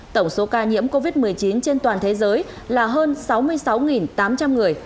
tổng số ca nhiễm covid một mươi chín trên toàn thế giới là hơn sáu mươi sáu tám trăm linh người